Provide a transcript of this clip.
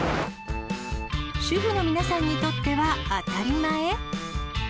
主婦の皆さんにとっては当たり前？